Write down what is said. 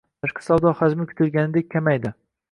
Tashqi savdo hajmi kutilganidek kamaydi